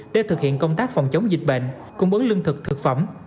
để thực hiện công tác phòng chống dịch bệnh cung ứng lương thực thực phẩm